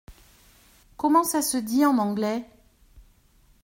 Comment ça se dit en anglais ?